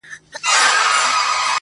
له بل لوري بله مینه سم راوړلای -